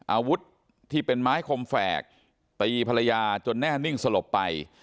อาวุธที่เป็นไม้คมแฝกตีภรรยาจนแน่นิ่งสลบไป